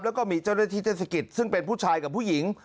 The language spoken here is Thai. แล้วก็มีเจ้าหน้าที่เทศกิจซึ่งเป็นผู้ชายกับผู้หญิง